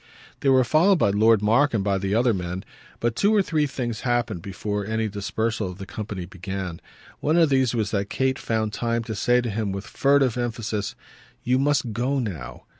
They were followed by Lord Mark and by the other men, but two or three things happened before any dispersal of the company began. One of these was that Kate found time to say to him with furtive emphasis: "You must go now!"